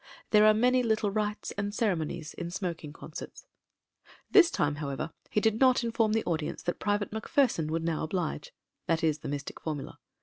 There are many little rites and ceremonies in smoking concerts. ... This time, however, he did not inform the audience that Private MacPherson would now oblige — ^that is the mystic formula.